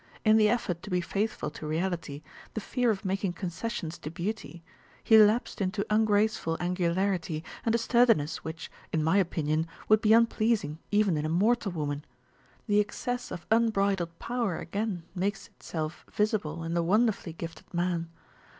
In the effort to be faithful to reality, the fear of making concessions to beauty, he lapsed into ungraceful angularity and a sturdiness which, in my opinion, would be unpleasing even in a mortal woman. The excess of unbridled power again makes it self visible in the wonderfully gifted man.